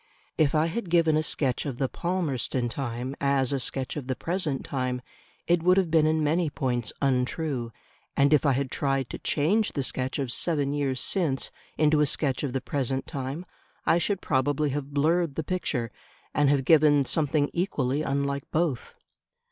If I had given a sketch of the Palmerston time as a sketch of the present time, it would have been in many points untrue; and if I had tried to change the sketch of seven years since into a sketch of the present time, I should probably have blurred the picture and have given something equally unlike both.